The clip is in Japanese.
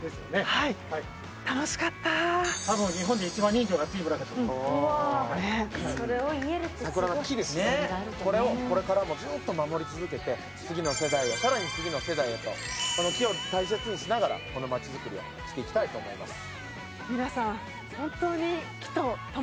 はい楽しかった桜の木ですねこれをこれからもずっと守り続けて次の世代へさらに次の世代へとこの木を大切にしながら街づくりをしていきたいと思います